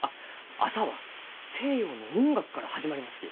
朝は西洋の音楽から始まりますき。